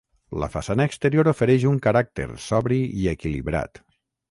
La façana exterior ofereix un caràcter sobri i equilibrat.